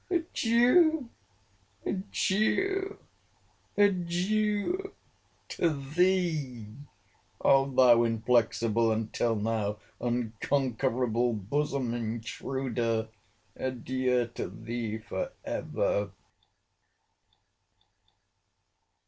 Adieu, Adieu, Adieu, to thee, O thou inflexible, and, till now, unconquerable bosom intruder!—Adieu to thee for ever!